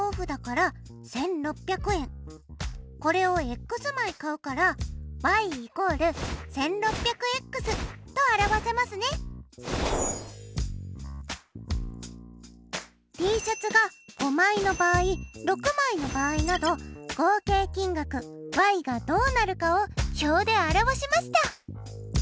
これを枚買うからＴシャツが５枚の場合６枚の場合など合計金額がどうなるかを表で表しました。